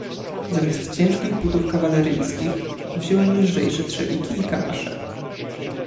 "Zamiast ciężkich butów kawaleryjskich, wziąłem lżejsze trzewiki i kamasze."